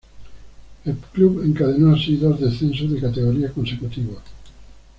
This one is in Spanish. El club encadenó así dos descensos de categoría consecutivos.